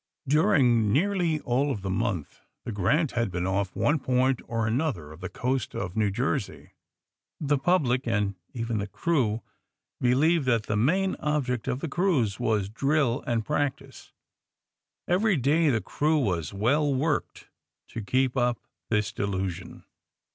During nearly all of the month the *^ Grant ^' had been off one point or another of the coast of New Jersey. The public, and even the crew be lieved that the main object of the cruise was drill and practice. Every day the crew was well worked to keep up this delusion.